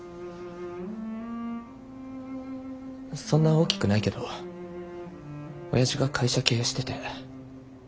そんな大きくないけど親父が会社経営してて。